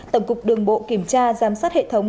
tổng cục đường bộ kiểm tra giám sát hệ thống